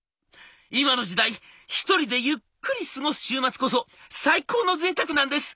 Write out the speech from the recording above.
今の時代一人でゆっくり過ごす週末こそ最高のぜいたくなんです。